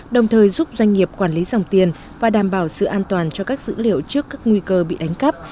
đồng thời giúp doanh nghiệp quản lý dòng tiền và đảm bảo sự an toàn cho các dữ liệu trước các nguy cơ bị đánh cắp